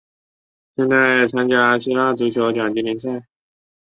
现在参加希腊足球甲级联赛。